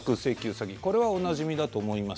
詐欺これはおなじみだと思います。